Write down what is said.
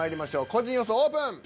個人予想オープン。